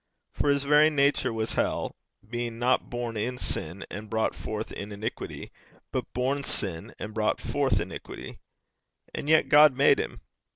For his very nature was hell, being not born in sin and brought forth in iniquity, but born sin and brought forth iniquity. And yet God made him.